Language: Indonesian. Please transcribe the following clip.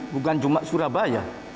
bukan cuma surabaya